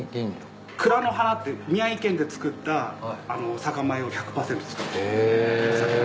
蔵の華って宮城県で作った酒米を１００％使ってるお酒。へ。